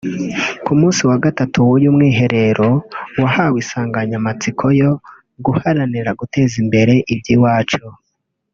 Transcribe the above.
Ku munsi wa gatatu w’uyu mwiherero wahawe insanganyamatsiko yo “Guharanira guteza imbere iby’iwacu”